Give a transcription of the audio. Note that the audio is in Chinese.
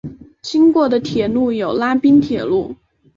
经过的铁路有拉滨铁路。